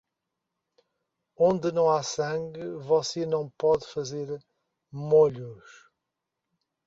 Onde não há sangue, você não pode fazer molhos.